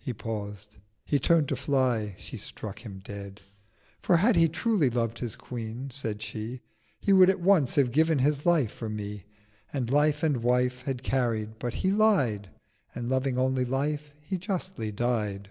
740 He paused—he turn'd to fly—she struck him dead. 'For had he truly loved his Queen,' said She, 'He would at once have giv'n his Life for me, And Life and Wife had carried: but he lied; And loving only Life, has justly died.'